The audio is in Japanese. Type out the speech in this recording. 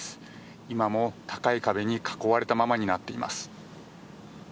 今も高い壁に覆われたままになっています。